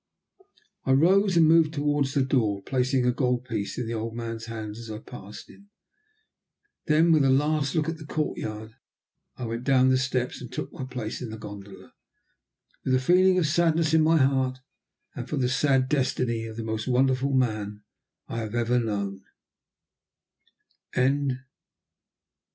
I rose and moved towards the door, placing a gold piece in the old man's hand as I passed him. Then, with a last look at the courtyard, I went down the steps and took my place in the gondola, with a feeling of sadness in my heart for the sad Destiny of the most wonderful man I had ever known.